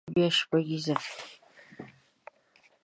مخته ګوره بيا شېرېږا.